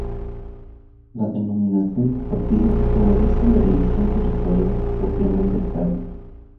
La denominación de "partido" obedece a la división territorial propiamente tal.